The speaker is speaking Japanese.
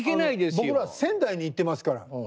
あの僕ら仙台に行ってますから。